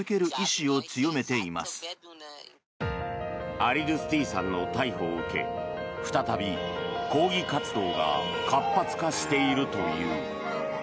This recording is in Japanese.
アリドゥスティさんの逮捕を受け再び、抗議活動が活発化しているという。